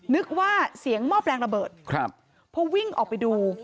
นึกว่าเสียงมอบแรงระเบิดเพราะวิ่งออกไปดู